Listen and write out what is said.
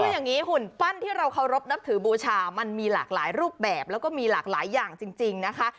คืออย่างนี้หุ่นปั้นที่เราเคารพนับถือบูชามันมีหลากหลายรูปแบบแล้วก็มีหลากหลายอย่างจริงนะคะ